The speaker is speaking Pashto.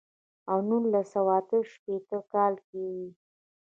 او نولس سوه اتۀ شپېتم کال کښې ئې